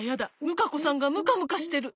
ムカコさんがムカムカしてる。